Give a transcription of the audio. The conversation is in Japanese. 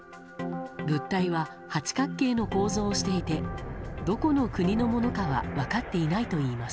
物体は、八角形の構造をしていてどこの国のものかは分かっていないといいます。